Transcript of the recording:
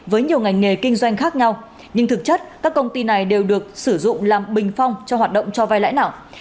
với nhiều ngành nghề kinh doanh khác nhau nhưng thực chất các công ty này đều được sử dụng làm bình phong cho hoạt động cho vai lãi nặng